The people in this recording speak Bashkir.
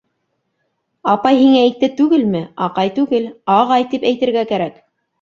— Апай һиңә әйтте түгелме, аҡай түгел, ағай тип әйтергә кәрәк.